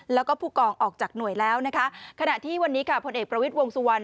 แล้วก็ผู้กองออกจากหน่วยแล้วนะคะขณะที่วันนี้ค่ะผลเอกประวิทย์วงสุวรรณ